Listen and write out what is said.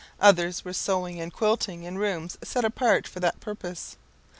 Others were sewing and quilting in rooms set apart for that purpose.